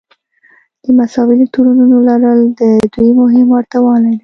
د مساوي الکترونونو لرل د دوی مهم ورته والی دی.